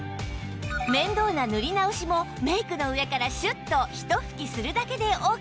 面倒な塗り直しもメイクの上からシュッとひと吹きするだけでオーケー